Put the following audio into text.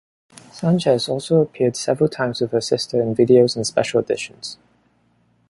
Sanches also appeared several times with her sister in videos and Special Editions.